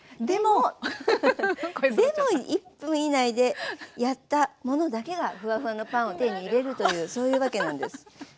でも１分以内でやったものだけがフワフワのパンを手に入れるというそういうわけなんです。